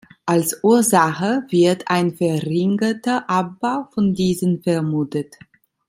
Als Ursache wird ein verringerter Abbau von diesen vermutet.